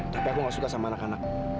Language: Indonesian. tapi aku gak suka sama anak anak